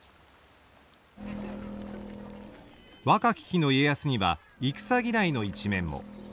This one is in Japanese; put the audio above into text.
若き日の家康には戦嫌いの一面も。